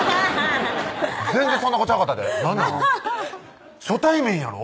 全然そんな子ちゃうかったで何なん？初対面やろ？